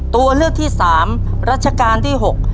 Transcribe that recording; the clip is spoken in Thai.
ตัวเลือกที่สามรัชกาลที่๖